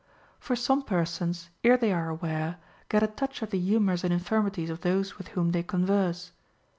For some per sons, ere they are aware, get a touch of the humors and infirmities of those with whom they converse.